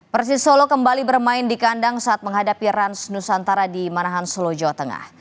persis solo kembali bermain di kandang saat menghadapi rans nusantara di manahan solo jawa tengah